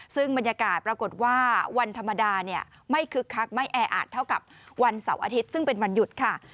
ซึ่งบรรยากาศปรากฏว่าวันธรรมดาเนี่ยไม่คึกคักไม่แออาจเท่ากับวันเสาร์อาทิตย์ซึ่งเป็นวันหยุดค่ะ